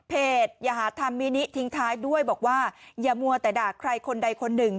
อย่าหาธรรมมินิทิ้งท้ายด้วยบอกว่าอย่ามัวแต่ด่าใครคนใดคนหนึ่ง